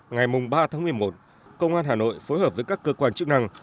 ngày ba tháng một mươi một công an hà nội phối hợp với các cơ quan chức năng